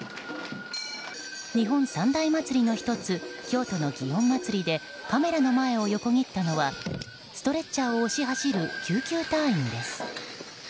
日本三大祭りの１つ京都の祇園祭でカメラの前を横切ったのはストレッチャーを押し走る救急隊員です。